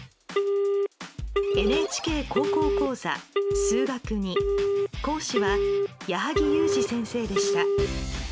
「ＮＨＫ高校講座数学Ⅱ」講師は矢作裕滋先生でした。